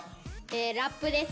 ラップです。